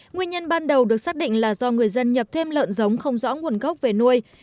nguyên nhân ban đầu được xác định là do người dân nhập thêm lợn giống không rõ nguồn gốc về nuôi